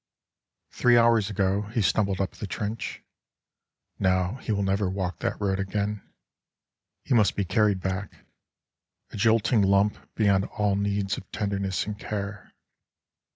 Three hours ago, he stumbled up the trench; Now he will never walk that road again: He must be carried back, a jolting lump Beyond all needs of tenderness and care.